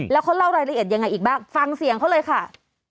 แล้วเขาเล่ารายละเอียดยังไงอีกบ้างฟังเสียงเขาเลยค่ะ